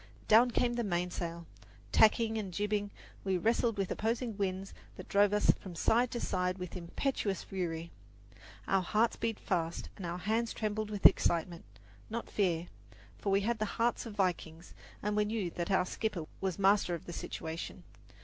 Down came the mainsail. Tacking and jibbing, we wrestled with opposing winds that drove us from side to side with impetuous fury. Our hearts beat fast, and our hands trembled with excitement, not fear, for we had the hearts of vikings, and we knew that our skipper was master of the situation.